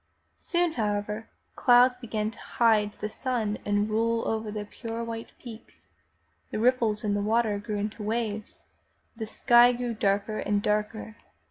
Soon, however, clouds began to hide the sun and roll down over the pure white peaks. The ripples in the water grew into waves, the sky grew darker and darker.